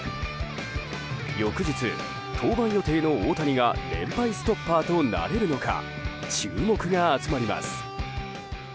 翌日、登板予定の大谷が連敗ストッパーとなれるのか注目が集まります。